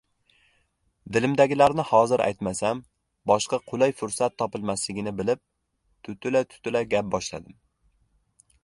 Dilimdagilarni hozir aytmasam, boshqa qulay fursat topilmasligini bilib, tutila-tutila gap boshladim.